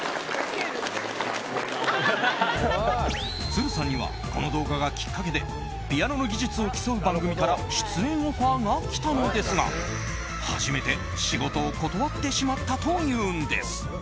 都留さんにはこの動画がきっかけでピアノの技術を競う番組から出演オファーが来たのですが初めて仕事を断ってしまったというんです。